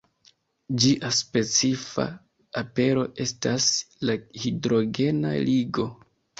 Ĝia specifa apero estas la hidrogena ligo.